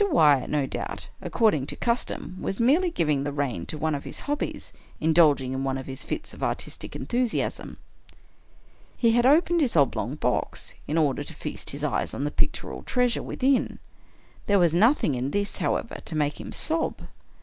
Wyatt, no doubt, according to custom, was merely giving the rein to one of his hobbies — indulging in one of his fits of artistic enthusiasm. He had opened his oblong box, in order to feast his eyes on the pictorial treasure within. There was nothing in this, however, to make him sob.